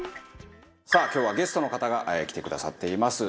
さあ今日はゲストの方が来てくださっています。